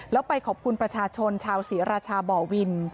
แล้วไปขอบคุณประชาชนชาวศรีราชาบ่อวิน